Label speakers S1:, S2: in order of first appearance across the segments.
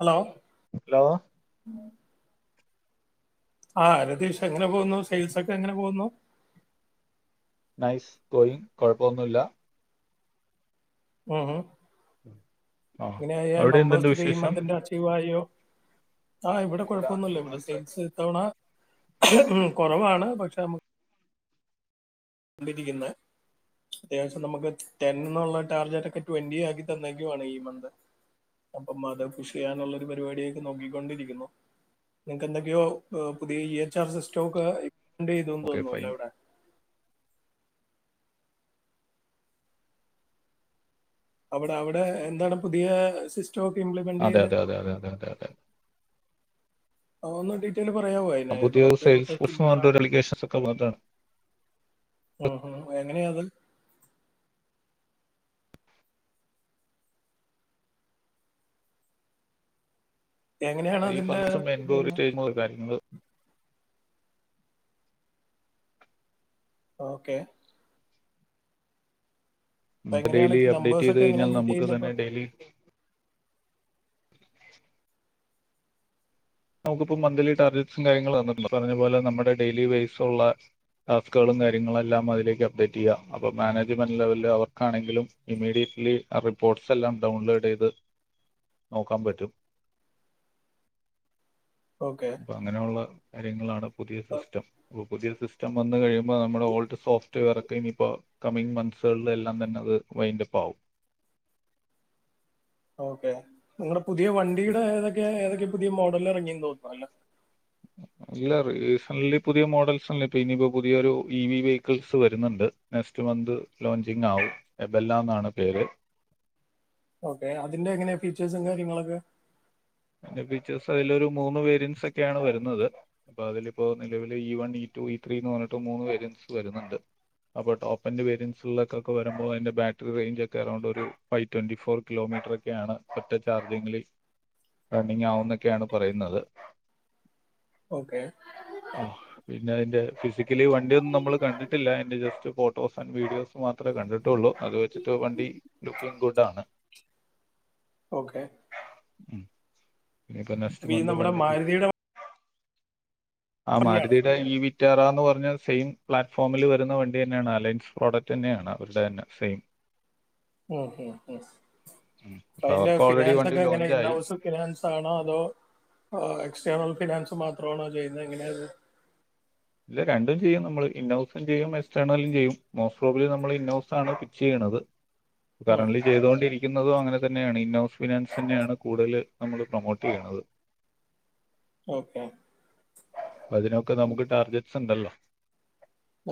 S1: Hello
S2: hello
S1: ആ രതീഷ് എങ്ങനെ പോന്നുന്നു സെയിൽസൊക്കെ എങ്ങനെ പോകുന്നു
S2: നൈസ് തോയിങ് കുഴപ്പമൊന്നുമില്ല
S1: ഉം ഉം
S2: ആ
S1: ഇങ്ങനെ
S2: അവിടെ എന്തുണ്ട്
S1: നമ്പേഴ്സ്ക്കെ ഈ
S2: വിശേഷം
S1: മതിന്റെ അച്ചീവ ആയോ ആഹ് ഇവിടെ
S2: ഇല്ല ഈ
S1: കുഴപ്പൊന്നുമല്ല ഇവിടെ
S2: മാസം
S1: സെയിൽസ് ഇത്തവണ കുറവാണ് പക്ഷെ നുക്ക് കണ്ടിരിക്കുന്ന അത്യാവശ്യം നമുക്ക് ടെൻ എന്നുള്ള ടാർജൊക്കെ ട്വന്റി ആക്കി തന്നേക്കു ആണ് ഈ മന്ത് അപ്പം അത കുഷ ചെയ്യാനുള്ളൊ ഒരു പരിപാടിയൊക്കെ നോക്കിക്കൊണ്ടിരിക്കുന്നു നിങ്ങക്ക് എന്തൊക്കെയോ പുതിയ ഈഎച്ച് ആർ സിസ്റ്റോക്ക് എണ്ട് ചെയ്ത
S2: ഓക്കെ
S1: തോന്നുമല്ല
S2: ഫൈൻ
S1: എവിടെ അവിടെ അവിടെ എന്താണ് പുതിയ സിസ്റ്റം ഒക്കെ ഇംപ്ലിമെന്റ്
S2: അതെ
S1: ചെയ്ത
S2: അതെ അതെ അതെ അതെ അതെ അതെ
S1: അ ഒന്ന് ഡീറ്റെൽ പറയാൻ പോ
S2: ആ,
S1: അ ഇപ്പ
S2: പുതിയ
S1: നമ്മുടെ
S2: സെയിൽസ്
S1: ഇവിടുത്തെ
S2: ഫോഴ്സ് എന്ന്
S1: സിമിലാരാ
S2: പറഞ്ഞിട്ട് ഒരു അപ്ലിക്കേഷൻസ് ഒക്കെ വന്നിട്ടാണ്
S1: ഒ ഒ എങ്ങനെയത് എങ്ങനെയാണ്
S2: അത് ഈ
S1: അതിന്റെ
S2: പലസും [unintelligible]
S1: ഇതെല്ലാം
S2: മെൻബോറിറ്റേ കാര്യങ്ങള്ൾ
S1: ഓക്കെ
S2: ന
S1: അപ്പൊ
S2: [unintelligible]
S1: എങ്ങനെയാണ്
S2: ഡെയിലി
S1: ഇപ്പൊ
S2: അപ്ഡേറ്റ്
S1: നമ്പേഴ്സ്
S2: ചെയ്ത്
S1: ഒക്കെ എങ്ങനെയാ
S2: കഴിഞ്ഞാൽ
S1: മീറ്റ്
S2: നമുക്ക്
S1: ചെയ്യുന്നപ്പോ
S2: തന്നെ ഡെയിലി നമുക്കിപ്പോം മന്ത്ലി ടാർജറ്റ്സും കാര്യങ്ങളും വന്നിട്ടണ്ട് പറഞ്ഞ പോലെ നമ്മുടെ ഡെയിലി വേജസ്സുള്ള ടാസ്കുകളും കാര്യങ്ങളു എല്ലാം അതിലേക്ക് അപ്ഡേറ്റ് ചെയ്യാം അപ്പൊ മാനേജ്മെന്റ് ലെവൽ അവർക്കാണെങ്കിലും ഇമീഡിയറ്റ് ലി ആ റിപ്പോർട്ട്സ് എല്ലാം ഡൗൺലോഡ് ചെയ്ത് നോക്കാൻ പറ്റും
S1: [unintelligible] ഓക്കെ
S2: അപ്പൊ അങ്ങനെയുള്ള കാര്യങ്ങളാണ് പുതിയ സിസ്റ്റം അപ്പം പുതിയ സിസ്റ്റം വന്ന് കഴിയുമ്പോ ഇപ്പം നമ്മുൾ ഓൾഡ് സോഫ് മറ്റ് വർക്ക് ഇനിപ്പോൾ കമ്മിംഗ് മന്ത്സുകളില എല്ലാം തന്നെ അത് വൈൻന്റെ പാവും
S1: [unintelligible] ഓക്കെ നിങ്ങളടെ പുതിയ വണ്ടിയുടെ ഏതൊക്കെ ഏതൊക്കെ പുതിയ മോഡൽ ഇറങ്ങിന്ന് തോന്ന അല്ലേ
S2: ഇല്ല റീസന്റ്ലി പുതിയ മോഡൽസ്ല്ലേ ഇപ്പൊ ഇനിയിപ്പോൊ പുതിയൊരു ഇവി വെഹിക്കിൾസ് വരുന്നുണ്ട് നെക്സ്റ്റ് മന്ത് ലോഞ്ചിങ് ആാവും എബെല്ലാം എന്നാണ് പേര്
S1: ഓക്കെ അതിന്റെ എങ്ങനെയ ഫീച്ചേഴസും കാര്യങ്ങളൊക്കെ
S2: അന്റെ ഫീച്ചേഴ്സ് അതിലൊരു മൂന്ന് വേരിയൻസ് ഒക്കെയാണ് വരുന്നത് അപ്പൊ അതില ഇപ്പോ നിലവൽ E one E two E three എന്ന് പറഞ്ഞിട്ട് മൂന്ന് വേരിയൻസ് വരുന്നുണ്ട് അപ്പൊടോപ്പന്റ് പേയൻസക്കെരുമ്പോ അതിന്റെ ബാറ്ററി റേഞ്ച് ഒക്കെറൗണ്ട് ഒരു ഫൈവ് ട്വന്റി ഫോർ കിലോമീറ്റർ മീറ്ററൊക്കെയാണ് ഒറ്റ ചാർജിങ്ങിൽ
S1: [unintelligible]
S2: റണ്ണിങ് ആവുന്നൊക്കെയാണ് പറയുന്നത്
S1: ഓക്കെ
S2: ആ പിന്നെ അതിന്റെ ഫിസിക്കലി വണ്ടിന്നും നമ്മള് കണ്ടിട്ടില്ല അതിന്റെ ജസ്റ്റ് ഫോട്ടോസ് ആൻഡ് വീഡിയോസ് മാത്രമേ കണ്ടിട്ടുള്ളൂ അത് വെച്ചിട്ട് വണ്ടി ലുക്കി ഗുഡ് ആണ്
S1: ഓക്കെ
S2: മം ഇഞ്ഞ് ഇപ്പോ
S1: അപ്പൊ
S2: നെസ്റ്റ്
S1: ഈ
S2: മന്ത്
S1: നമ്മുടെ
S2: വണ്ടി
S1: മാരുതിയുടെ
S2: ആ
S1: തന്നെയാണ്
S2: മാരുതിയുടെ ഈ വിറ്റാറന്ന് പറഞ്ഞ സെയിം പ്ലാറ്റ്ഫോമിൽ വരുന്ന വണ്ടി തന്നെയാണ് അലയൻസ് പ്രോഡക്റ്റ് തന്നെയാണ് അവരുടെ തന്നെ സെയിം
S1: ഒ ഒ ഒ
S2: അപ്പൊ
S1: അതിന്റെ
S2: അവർക്ക് ഓൾറെഡി
S1: ഫിനാൻസ്
S2: വണ്ടി
S1: ഒക്കെ എങ്ങനെ
S2: ലോഞ്ച് ആയി
S1: ഇന്നൗസ് ഫിനാൻസ് ആണോ അതോ ഫിനാൻസ് മാത്രമാണോ ചെയ്യുന്നത് എങ്ങനെയത്
S2: ഇല്ല രണ്ടും ചെയ്യും നമ്മൾ ഇന്നോസും ചെയ്യും മെസ്റ്റേണലും ചെയ്യും മോസ്റ്റ് റോബിലിൽ നമ്മൾ ഇന്നോസ് ആണ് ഫിക്സ് ചെയ്യ അത് കറന്റ്‌ലി ചെയ്തൊണ്ടിരിക്കുന്ന അനെ തന്നെയാണ് ഇന്നോസ് ഫിനാൻസ് തന്നെയാണ് കൂടുതൽ നമ്മള് പ്രൊമോട്ട് ചെയ്യുന്നത്
S1: ഓക്കെ
S2: അതിനൊക്കെ നമുക്ക് ടാർജറ്റ്സ് ഉണ്ടല്ലോ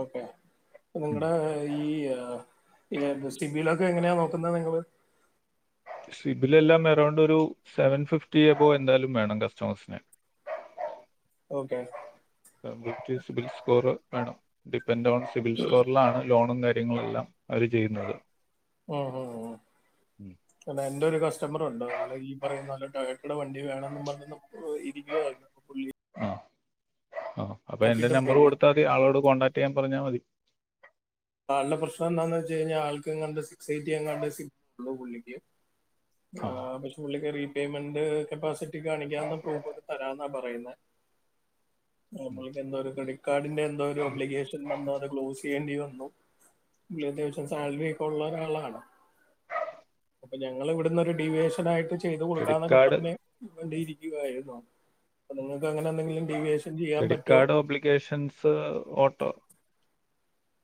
S1: ഓക്കെ നിങ്ങളടെ ഈ എയർബസ്റ്റിങ്ങിലൊക്കെ [unintelligible] എങ്ങനെയാ നോക്കുന്നത് നിങ്ങള്
S2: സിബിലെല്ലാം അറൗണ്ട് ഒരു സെവൻ ഫിഫ്റ്റി എബോ എന്തായാലും വേണം കസ്റ്റമേഴ്സിന്
S1: ഓക്കെ
S2: സിബിൽ സ്കോർ വേണം ഡിപൻഡ് ആണ് സിബിൽ സ്കോറിലാണ് ലോണും കാര്യ ങ്ങളെല്ലാം അവര് ചെയ്യുന്നത്
S1: ഉം ഉം [unintelligible] എന്റെ ഒരു കസ്റ്റമറോണ്ട് ആള് ഈ പറയുന്ന നല്ല ടോയോട്ടോയുടെ വണ്ടി വേണെന്ന് പറഞ്ഞ് ഇരിക്കായിരുന്നു പുള്ളി
S2: ആ അപ്പൊ എന്റെ
S1: നോക്കിയിട്ട്
S2: നമ്പർ
S1: പോയി.
S2: കൊടുത്തതി ആളോട് കോൺടാക്ട് ചെയ്യാൻ പറഞ്ഞാൽ മതി
S1: ആൾടെ പ്രശ്നം എന്താന്ന് വെച്ച് കഴഞ്ഞാ ആൾക്കെങ്ങാണ്ട് സിക്സ് എയ്റ്റി അങ്ങാണ്ട് സിക്ക് ഉള്ളൂ പുള്ളിക്ക് ആ പക്ഷേ പുള്ളിക്കറി പേയ്മെന്റ് കപ്പാസിറ്റി കാണിക്കണ്ട് പ്രൂഫോക്കെ തരാന്നാ പറയുന്നേ ആ പുള്ളിക്ക് എന്തോ ഒരു ക്രെഡിറ്റ് കാർഡിന്റെ എന്തോ ഒരു ഒബ്ലിക്കേഷൻ വന്ന് അത് ക്ലോസ് ചെയ്യേണ്ടി വന്ന പുള്ളി അത്യാവശ്യം സാലറി ഒക്കെ ഉള്ളൊരു ആളാണ് അപ്പൊ ഞങ്ങൾ ഇവിടുന്നൊരു ഡീവിയേഷൻ ആയിട്ട് ചെയ്ത്
S2: ക്രെഡിറ്റ്
S1: കൊടുക്കാന്നൊക്കെ
S2: കാർഡ്
S1: പറഞ്ഞ് ഡെയിലി ക്കുവായിരുന്നു അപ്പൊ നി അങ്ങനെ എന്തെങ്കിലും ഡീവിയേഷൻ ചെയ്യാൻ
S2: ക്രെഡിറ്റ്
S1: പറ്റോ
S2: കാർഡ് ഓബ്ലിഗേഷൻസ് ഓട്ടോ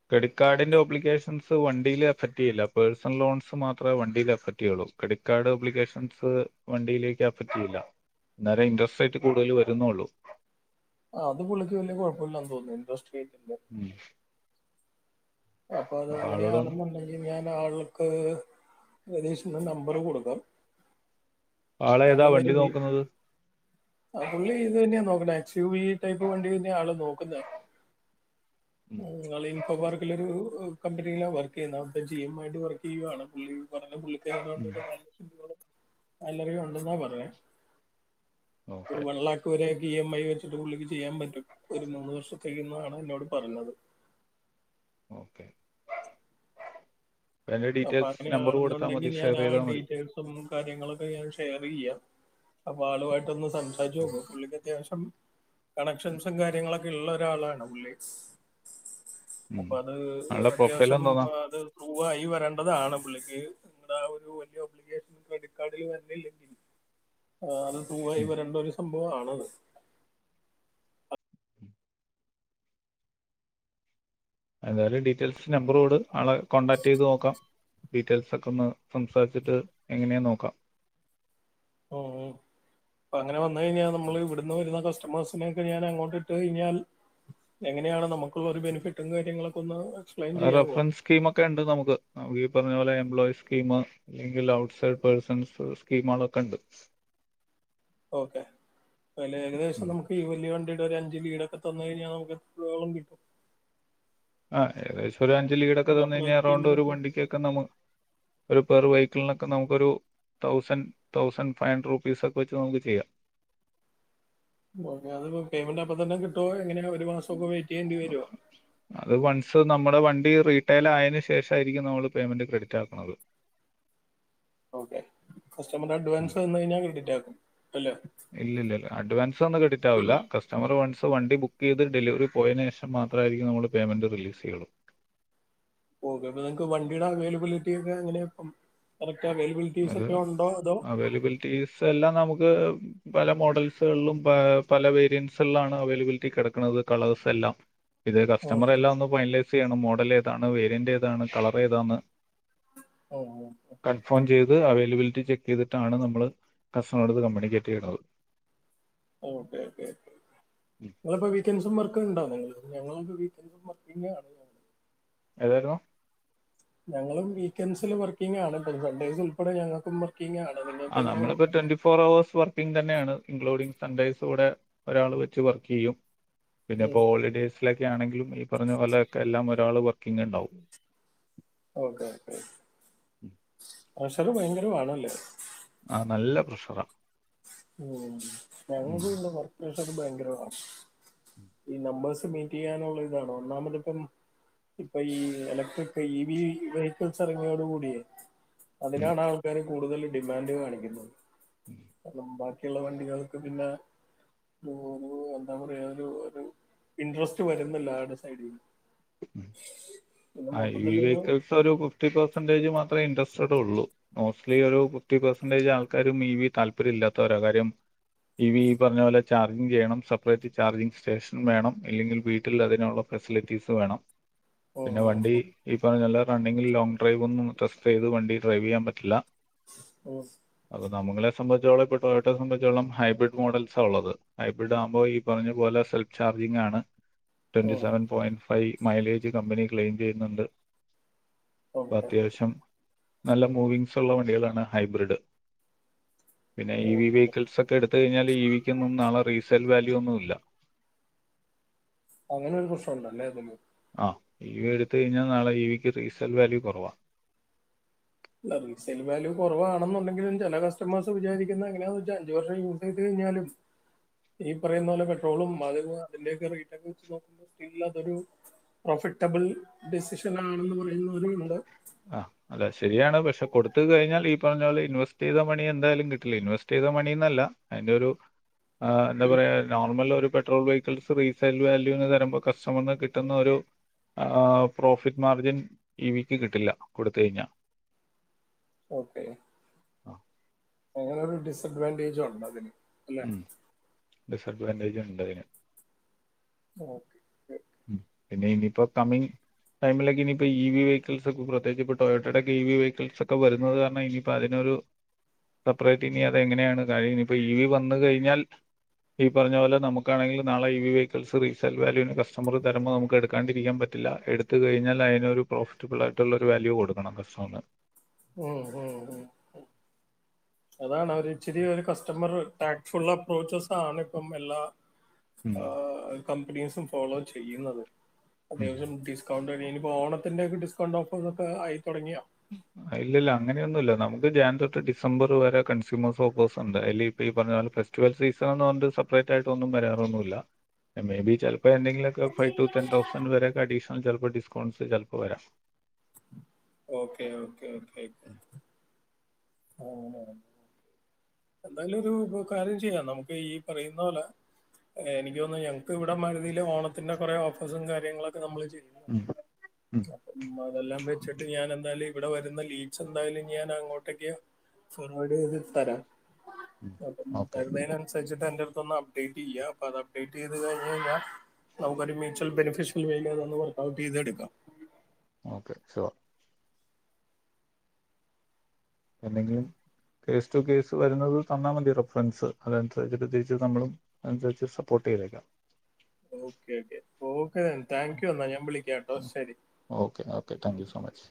S2: ക്രെഡിറ്റ് കാർഡിന്റെ ഓബ്ലിക്കേഷൻസ് വണ്ടിയിൽ അഫറ്റേയ്യില്ല പേഴ്സണൽ ലോൺസ് മാത്രമേ വണ്ടിൽ അഫറ്റ് ചെയ്യുള്ളു ക്രെഡിറ്റ് കാർഡ് ഒബ്ലിക്കേഷൻസ് വണ്ടിയിലേക്ക് അഫേറ്റ് ചെയ്യില്ല അന്നേരം ഇൻട്രാസേറ്റ് കൂടുതൽ വരുംന്നുള്ളൂ
S1: ആ അത് പുള്ളിക്ക് വല്യ കൊഴപ്പില്ല്യന്ന് തോന്നുന്നു ഇൻട്രാസ്റേ
S2: ഉം
S1: അപ്പൊ അത് അങ്ങനെയാണെന്നുണ്ടെങ്കിൽ ഞാൻ ആൾക്ക് രതീഷിന്റെ നമ്പര് കൊടുക്കാം
S2: ആളേതാ
S1: അതാണല്ലൊ
S2: വണ്ടി
S1: മെയ്ൻ
S2: നോക്കുന്നത്
S1: ആ പുള്ളി ഇത് തന്ന്യാ നോക്ക എസ് യു വി ടൈപ്പ് വണ്ടി തന്ന്യാ ആള് നോക്കുന്നേ നിങ്ങള് ഈ പരുപാടി കമ്പനിയില് വർക്ക് ചെയ്യുന്ന അവിടെ ജി എം ആയിട്ട് വർക്ക് ചെയ്യുകയാണ് പുള്ളി പറഞ്ഞ പുള്ളിക്ക് ഏതാണ്ട് ഒരു നാല് ലക്ഷം രൂപോളം സാലറി ഉണ്ടെന്നാ പറ ഒരു
S2: ഓക്കെ
S1: വൺ ലാക്ക് വരെ ഇ എം ഐ വെച്ചിട്ട് പുള്ളിക്ക് ചെയ്യാൻ പറ്റും ഒരു മൂന്ന് വർഷം ന്നാണ് എന്നോട് പറഞ്ഞത്
S2: ഓക്കെ അതിന്റെ
S1: അപ്പൊ
S2: ഡീറ്റെയിൽസ് നമ്പർ കൊടുത്താൽ
S1: അങ്ങനെയാണെന്നുണ്ടെങ്കി
S2: മതി
S1: ഞാൻ
S2: ഷെയർ
S1: ആ
S2: ചെയ്താൽ മതി
S1: ഡീറ്റെയിൽസും കാര്യങ്ങളൊക്കെ ഞാൻ ഷെയറെയ്യാം അപ്പൊ ആളുമായിട്ട് ഒന്ന് സംസാരിച്ച് നോക്ക് പുള്ളി അത്യാവശ്യം കണക്ഷൻസും കാര്യങ്ങളൊക്കെ ഉള്ള ഒരാളാണ് പുള്ളി അപ്പ
S2: ഉം.
S1: അത്
S2: ആളുടെ പ്രൊഫൈൽ
S1: അത്യാവശ്യം
S2: എന്തോന്നാ
S1: അത് പ്രൂവായി വര അതാണ് പുള്ളിക്ക് നിങ്ങടെ ആ ഒരു വേല [unintelligible] ക്രെഡിറ്റ് കാർഡിൽ വരല്ലെങ്കിൽ ആ അത് ടൂവായി
S2: ഉം.
S1: വരേണ്ട ഒരു സംഭവ ആണത്
S2: എന്തായാലും ഡീറ്റെയിൽസ് നമ്പറോട് ആളെ കോൺടാക്ട് ചെയ്ത് നോക്കാം ഡീറ്റെയിൽസോക്കെ ഒന്ന് സംസാരിച്ചിട്ട് എങ്ങനെയാന്ന് നോക്കാം
S1: ഉം അപ്പ അങ്ങനെ വന്നു കഴിഞ്ഞാൽ നമ്മള് ഇവിടുന്ന് വരുന്ന കസ് മേഴ്സിനെയൊക്കെ ഞാൻ അങ്ങോട്ടിട്ട് ഴ്ഞ്ഞാൽ എങ്ങനെയാണ് നമുക്കുള്ള ഒരു ബെനിഫിറ്റും കാര്യങ്ങളൊക്കെ ഒന്ന് എക്സ്പ്ലെയിൻ ചെയ്യാവോ
S2: റഫ്രൻസ്കീം ഒക്കെ ഇണ്ട് നമുക്ക് നമ്മളീപറഞ്ഞ പോലെ എംപ്ലോയിസ്കീമ് അല്ലെങ്കിൽ ഔട്ട്സൈഡ് പേഴ്സൺസ് സ്കീമോളൊക്കെ ഇണ്ട്
S1: ഓക്കെ അല്ലേ ഏകദേശം നമുക്കീ വല്യ വണ്ടിടൊക്കെ വിടൊക്കെ തന്ന് കഴിഞ്ഞാൽ നമുക്ക് എത്രത്തോളം കിട്ടും
S2: ആ ഏകദേശം ഒരു അഞ്ജലിടൊക്കെ
S1: അപ്പൊ
S2: തന്ന്
S1: അപ്പുറ
S2: കഴിഞ്ഞാൽ അറൗണ്ട് ഒരു
S1: സ്കീമിലൊക്കെ
S2: വണ്ടിക്കൊക്കെ നമു ഒരു പെറു വെഹിക്കിളിനൊക്കെ നമുക്കൊരു തൗസന്റ് തൗസന്റ് ഫൈവ് ഹൺഡ്രഡ് റുപ്പീസോക്കെ വെച്ച് നമുക്ക് ചെയ്യാം
S1: അത് ഒരു പേയ്മെന്റ് അപ്പ തന്നെ കിട്ടുവോ എങ്ങനെയാ ഒരു മാസോക്കെ വെയി
S2: അത് വൺസ് നമ്മടെ വ റീറ്റെൽ ആയതിനന് ശേഷമായിരിക്കും നമ്മൾ പേയ്മെൻറ് ക്രെഡിറ്റ് ആക്കുന്നത്
S1: ഓക്കെ കസ്റ്റമറ അഡ്വാൻസ് വന്ന കഴിഞ്ഞാൽ ക്രെഡിറ്റ് ആക്കും അല്ലേ
S2: ഇല്ല ഇല്ല അഡ്വാൻസ് ഒന്നും ക്രെഡിറ്റാവില്ല കസ്റ്റമർ [unintelligible] സോ വണ്ടി ബുക്ക് ചെയ്ത് ഡെലിവറി പോയതിന് ശേഷം മാത്രമായിരിക്കും നമ്മൾ പേയ്മെൻറ് റിലീസ് ചെയ്യുള്ളൂ
S1: ഓക്കെ അപ്പൊ നിങ്ങക്ക് വണ്ടിയുടെ അവൈലബിലിറ്റിക്കെ അങ്ങനെ ഉൽകീസ് ഒക്കെ
S2: അത്
S1: ഉണ്ടോ
S2: അവൈലബിലിറ്റീസ് എല്ലാം നമുക്ക് പല മോഡൽസുകളിലും പല വേരിയൻസാണ് അവൈലബിലിറ്റി കിടക്കുന്നത് കളേഴ്‌സ് എല്ലാം ഇത്
S1: ഉം
S2: കസ്റ്റമർ
S1: ഉം.
S2: എല്ലാം ഒ ഫൈനലൈ സ് ചെയ്യണം ആണ് മോഡൽ ഏതാണ് വേരിയന്റ് ഏതാണ് കളർ ഏതാണ്
S1: ഓ
S2: കൺഫേം ചെയ്ത് അവൈലബിലിറ്റി ചെക്ക് ചെയ്തിട്ടാണ് നമ്മള് കസ്റ്റനോട്ത് കമ്മ്യൂണിക്കേറ്റ് ചെയ്യണത്
S1: ഓകെ ഓക്കെ പ്പോ വീക്കൻസും വർക്ക ഉണ്ടാവോ നിങ്ങള് ഞങ്ങളൾത്ത പിന്നെയാണ് ഞങ്ങള
S2: ഏതായിരുന്നു
S1: ഞങ്ങളും വീക്കെൻസിൽ വർക്കിംഗ ആണ് ഇ സൺഡേസ് ഉൾപ്പെടെ ഞങ്ങൾക്ക
S2: ആ നമ്മളിപ്പോ ട്വന്റി ഫോർ അവേഴ്സ് വർക്കിംഗ് തന്നെയാണ് ഇൻക്ലൂഡിങ് സൺഡേയ്സ് കൂടെ ഒരാൾ വെച്ച് വർക്ക് ചെയ്യും പിന്നെ ഇപ്പോ ഹോളിഡേയ്സ് ക്ക ആണെങ്കിലും ഈ പറഞ്ഞ പോലെയൊക്കെ എല്ലാം ഒരാൾ വർക്കിംഗ ഉണ്ടാവും
S1: ഓക്കെ ഓക്കെ
S2: ഉം.
S1: പക്ഷത് ഭയങ്കര വാ ണല്ലേ
S2: ആനല്ല പ്രഷറാ
S1: ഓ ഞങ്ങക്ക്ള്ള വർക്ക്സൊക്കെ ഭയങ്കര
S2: പ്രഷറാണ്
S1: ഈ നമ്പേഴ്സ് മീറ്റ് ചെയ്യാനുള്ള ഇതാണ് ഒന്നാമത്പ്പം ഇപ്പൊ ഈ ഇലക്ട്രക് ഇ വി വെഹിക്കിൾസ് ഇറങ്ങിയോട് കൂടിയേ അതിനാണ് ആൾക്കാര് കൂടുതൽ ഡിമാൻഡ് കാണിക്കുന്നത് ബാക്കിയുള്ള വണ്ടികൾക്ക് പിന്നെ ഉം എന്താ പറയാ ഇൻട്രസ്റ്റ് വരുന്നില്ല ആടെ സൈഡിന്ന്
S2: ഐയ്
S1: മൊത്തത്തിലൊരു
S2: വെഹിക്കിൾസ് ഒരു ഫിഫ്റ്റി പെയ് സന്റ് [unintelligible] മാത്രഇന്ട്രെസ്റ്റടോള്ളൂ നോസ്‌ലി ഒരു ഫിഫ്റ്റി പേസ്ന്റെജ് ആൾക്കാരും ഇവി താല്പര്യം ഇല്ലാത്ത വര കാര്യം ഇവി ഈ പറഞ്ഞ പോലെ ചാർജിംഗ് ചെയ്യണം സപ്പറേറ്റ് ചാർജിംഗ് സ്റ്റേഷൻ വേണം ഇല്ലെങ്കിൽ വീട്ടിൽ അതിനുള്ള ഫെസിലിറ്റീസ് വേണം പിന്നെ
S1: ഉം,
S2: വണ്ടി
S1: ഉം,
S2: ഈ പറ നല്ല റണ്ണിങ്ങിൽ ലോങ് ഡ്രൈവ്ന്നുംസ്ത ചെയ്ത് വണ്ടി ഡ്രൈവ് ചെയ്യാൻ പറ്റില്ല
S1: ഉം,
S2: അത് നമ്മക്ക് സംബന്ധിച്ചോളംപ്പൊ ടോ സംബന്ധിച്ചോളം ഹൈബ്രഡ് മോഡൽസ് ആള്ളത് ഹൈബ്രഡ് ആുമ്പോ ഈ പറഞ്ഞ പോലൊ കുതിങ്ങാണ് ട്വന്റി
S1: ഉം,
S2: seven point five mileage company claim ചെയ്യുന്നുണ്ട്
S1: ഓക്കെ
S2: അപ്പോഅത്യാവശ്യം നല്ല മൂവിങ്സ് ഉള്ള വണ്ടികളാണ് ഹൈബ്രിഡ് പിന്നെ
S1: ഓ,
S2: ഇ വി വെഹിക്കിൾസ് ഒക്കെ എടുത്ത കഴിഞ്ഞാൽ ഇ വിക്കൊന്നും നാളെ റീസെൽ വാല്യൂ ഒന്നുല്ല
S1: അങ്ങനെ ഒരു പ്രശ്നംഉ ണ്ടല്ലേ
S2: ആ ഇ വി എടുത്ത കഴിഞ്ഞാൽ നാളെ ഇ വിക്ക് റീസെൽ വാല്യു കുറവാ
S1: റീസെൽ വല്യൂ കുറവാണെന്നണ്ടെങ്കില ചില കസ്റ്റമേഴ്സ് വിചാരിക്കുന്നത് അങ്ങനെഅഞ്ചു കൊല്ലം യൂസ് ചെയ്ത് കഴിഞ്ഞ ന്നാലും ഈ പറയുന്ന പോലെ പെട്രോളും മാധ അതിെ റക്കെ വെച്ച് നോക്കുമ്പോ സ്റ്റ അതൊരു കട്ട ബിൾ ഡിസിഷൻ ആണെന്ന് പറയുന്നവര ഉണ്ടൊ
S2: ആഹ അല്ല ശരിയാണ് പക്ഷെ കൊടുത്ത് കഴിഞ്ഞാൽ ഈ പറഞ്ഞള് ഇൻവെസ്റ്റ് ചെയ്ത മണി എന്തായാലും കിട്ടില്ല ഇൻവെസ്റ്റ് ചെയ്ത ന്ത മണിനല്ലഅയിന്റോ രു അ എന്താപറ normal petrol vehicles resale value എന്ന് തരുമ്പോ കസ്റ്റമറിന് കിട്ടുന്ന ഒരു ആ പ്രോഫിറ്റ് മാർജിൻ ഇവിക്ക് കിട്ടില്ല കൊടുത്ത് കഴിഞ്ഞാൽ
S1: ഓക്കേ
S2: ആഹ്
S1: അങ്ങനെ ഒരു ഡിസ്അഡ്വവൻ്റേജ് ഉണ്ട് അതിന് അല്ലെ
S2: ഡിസഅഡ്വാൻറ്റേജ് ഉണ്ട്തിന്
S1: ഓക്കെ
S2: ഉം പിന്നെ ഇനിപ്പോ കമി ടൈമിലക്കെ ഇനി ഇപ്പോ ഈവി വെഹികൾസ് പ്രത്യകിചിപ്പോ ട്ടൊയോടെ ഈവി വെഹിക്കിൾസ് ഒക്കെ വരുന്നത് കാരണം ഇനി ഇപ്പോ അതിന് ഒരു സെപ്പറേറ്റ് ഇനി അതെങ്ങനെയാണ് കഴ ഇപ്പ ഈവി വന്ന് കഴിഞ്ഞാൽ ഈ പറഞ്ഞ പോലെ നമുക്കാണെങ്കിലും നാളെ ഈ വി വെഹികൾസ് റീസെൽ വല്യുവിന് കസ് നമ്മക് തരുമ്പോ നമുക്ക് എടുക്കാണ്ടിരിക്കാൻ പറ്റില്ല എടുത്ത് കഴിഞ്ഞാൽ അതിനൊരു പ്രോഫിറ്റബിള് ആയിട്ടുള്ള ഒരു വാല്യൂ കൊടുക്കണം കസ് [unintelligible]
S1: ഉം ഉം ഉം അതാണ് ഒരിച്ചിരി ഒരു കസ്റ്റമറ് ടാക്ഫുൾ അപ്രോച്ചസാണ് ഇപ്പം എല്ലാ
S2: ഉം
S1: കമ്പനീസും ഫോളോ ചെയ്യുന്നത്
S2: ഉം
S1: അത്യാവശ്യം ഡിസ്കൗ ഇനിപ്പോ ഓണത്തിന്റെ ഒക്കെ ഡിസ്കൗണ്ട് ഓഫർസ് ഒക്കെ ആയി തുടങ്ങിയാ
S2: ഇല്ല ഇല്ല അങ്ങനെയൊന്നുല്ല നമുക്ക് ജാൻ തൊട്ട് ഡിസംബർ വരെ കൺസൂമേഴ്സ് ഓഫേർസ് ഉണ്ട് അല്ലെ പി ഈ പറഞ്ഞാല് ഫെസ്റ്റിവൽ സീസൺന്ന് പറഞ്ഞണ്ട് സെപ്പറേറ്റ് ആയിട്ടൊന്നും വരാറൊന്നുല്ല മേ ബി ചില പ്പെ എന്തെങ്കിലൊക്കെ ഫൈവ് ടു ടെൻ തൗസൻഡ് വരൊക്കെ അഡീഷണൽ ചിലപ്പോൾ ഡിസ്കൗണ്ട്സ് ചിലപ്പോൾ വരാം
S1: ഓക്കെ ഓക്കേ ഓക്കേക്ക ആ തെ എന്തായാലും ഒരു കാര്യം ചെയ്യാം നമുക്ക് ഈ പറയുന്ന പോലെ എനിക്ക് തോന്നു ഞങ്ങക്ക് ഇവിടെ മരുതീല് ഓണത്തിന്റെ കൊറെ ഓഫേ്ഴസും കാര്യങ്ങളൊക്കെ നമ്മള് മതെല്ലാം [unintelligible] വച്ചിട്ട് ഞാൻ എന്തായാലും ഇവിടെ വരുന്ന ലീഡ്സ് എന്തായാലും ഞാൻ അങ്ങോട്ടേക്ക് ഫൊർവേട് ചെയ്ത് തരാം അപ്പം
S2: ഓക്കെ
S1: വരുന്നേന് അനുസ ച്ചിട്ട് എന്റെടുത്തൊന്ന് അപ്ഡേറ്റ് ഇല്ല്യ അപ്പൊ അത് അപ്ഡേറ്റ് ചെയ്ത് കഴിഞ്ഞ് കഴിഞ്ഞാൽ നമുക്കൊരു മ്യൂച്വൽ ബെനിഫിഷ്യൽ വ വർക്ക്ഔട്ട് ചെയ്തെടുക്കാം
S2: ഓക്കെ ശുവർ എന്തെങ്കിലും കേസ് ടു കേസ് വരുന്നത് തന്നാ മതി റഫറൻസ് അതനുസരിച്ചിട്ട് തിരിച്ച് നമ്മളും അനുസരിച്ച് സപ്പോർ ട്ടേതേക്കാം
S1: okay okay okay thank you എന്നാ ഞാൻ വിളിക്കാംട്ടോ ശരി
S2: okay thank you so much